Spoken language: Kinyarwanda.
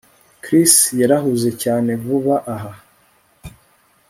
Chris yarahuze cyane vuba aha